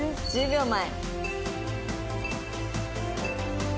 １０秒前。